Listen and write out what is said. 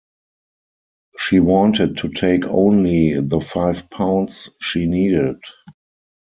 She wanted to take only the five pounds she needed.